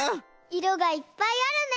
いろがいっぱいあるね。